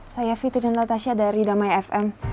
saya fitri natasha dari damai fm